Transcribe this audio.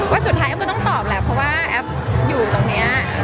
สุดท้ายแอฟก็ต้องตอบแหละเพราะว่าแอฟอยู่ตรงนี้